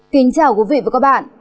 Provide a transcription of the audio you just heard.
kính chào quý vị và các bạn